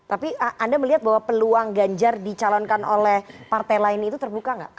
tapi anda melihat bahwa peluang ganjar dicalonkan oleh partai lain itu terbuka nggak